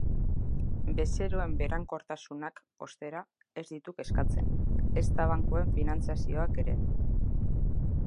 Bezeroen berankortasunak, ostera, ez ditu kezkatzen, ezta bankuen finantziazioak ere.